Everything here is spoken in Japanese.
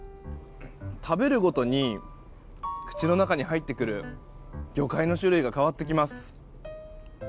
食べるごとに口の中に入ってくる魚介の種類が変わってきます。